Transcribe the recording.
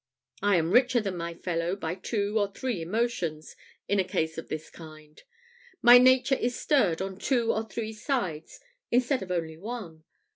I am richer than my fellow by two or three emotions in a case of this kind. My nature is stirred on two or three sides instead of only one.